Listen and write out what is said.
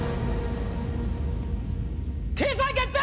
掲載決定！